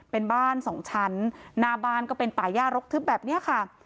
เป็นบ้านสองชั้นหน้าบ้านก็เป็นป่าย่ารกทึบแบบนี้ค่ะ